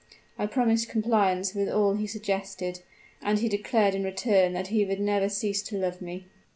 I promised compliance with all he suggested, and he declared in return that he would never cease to love me."